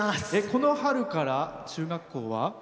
この春から中学校は？